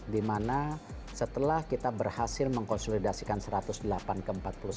dimana setelah kita berhasil mengkonsolidasikan satu ratus delapan ke empat puluh satu